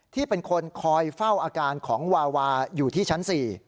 ที่เป็นคนคอยเฝ้าอาการของวาวาอยู่ที่ชั้น๔